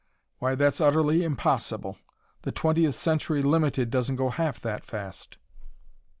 Why, that's utterly impossible! The Twentieth Century Limited doesn't go half so fast."